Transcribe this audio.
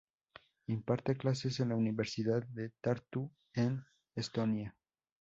Imparte clases en la Universidad de Tartu, en Estonia.